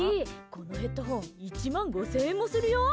このヘッドフォン１万５０００円もするよ。